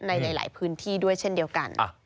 ในหลายพื้นที่ด้วยเช่นเดียวกัน